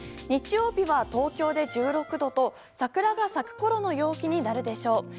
日曜日は東京で１６度と桜が咲くころの陽気になるでしょう。